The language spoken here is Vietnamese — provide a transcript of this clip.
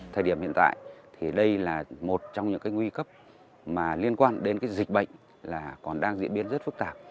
thời điểm hiện tại thì đây là một trong những nguy cấp liên quan đến dịch bệnh là còn đang diễn biến rất phức tạp